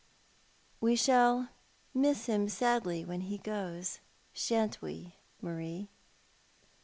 " We shall miss him sadly when be goes, shan't we, Marie